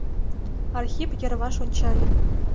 Архип йырваш ончале.